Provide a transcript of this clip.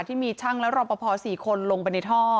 ที่มีชั่งแล้วหรอประเพาะ๔คนลงไปในท่อ